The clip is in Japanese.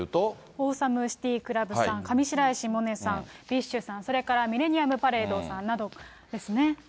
オーサムシティークラブさん、上白石萌音さん、ビッシュさん、それからミレニアムパレードさんなどですね。